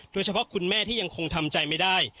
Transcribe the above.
คุณแม่ที่ยังคงทำใจไม่ได้